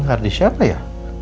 ini harddisk siapa ya